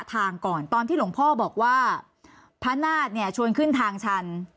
ทางก่อนตอนที่หลวงพ่อบอกว่าพระนาฏเนี่ยชวนขึ้นทางชัน